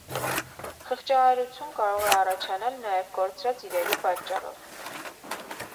Խղճահարություն կարող է առաջանալ նաև կորցրած իրերի պատճառով։